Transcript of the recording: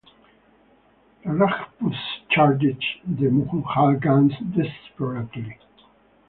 The Rajputs charged the mughal guns desperately.